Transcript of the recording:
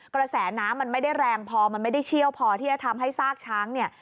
กระแสน้ำมันไม่ได้แรงพอมันไม่ได้เชี่ยวพอที่จะทำให้ซากช้างเนี่ย